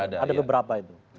ada beberapa itu